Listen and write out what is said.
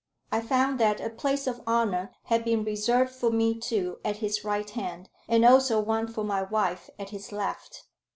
I found that a place of honour had been reserved for me too at his right hand, and also one for my wife at his left.